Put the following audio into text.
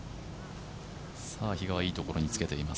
比嘉はいいところにつけています。